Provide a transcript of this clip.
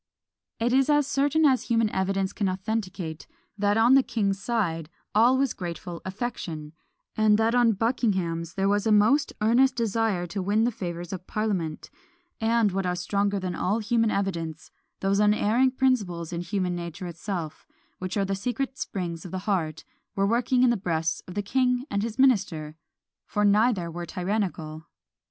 It is as certain as human evidence can authenticate, that on the king's side all was grateful affection; and that on Buckingham's there was a most earnest desire to win the favours of parliament; and what are stronger than all human evidence, those unerring principles in human nature itself, which are the secret springs of the heart, were working in the breasts of the king and his minister; for neither were tyrannical.